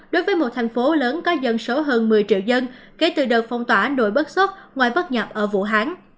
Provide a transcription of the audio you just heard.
đối với một thành phố lớn có dân số hơn một mươi triệu dân kể từ đợt phong tỏa đội bất xúc ngoài bất nhập ở vũ hán